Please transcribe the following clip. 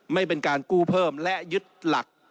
ไม่เป็นการกู้เพิ่มและยึดหลัก